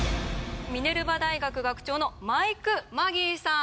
ミネルバ大学学長のマイク・マギーさん！